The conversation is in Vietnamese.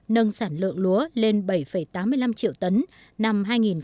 nâng sản lượng lúa lên bảy tám mươi năm triệu tấn năm hai nghìn một mươi bảy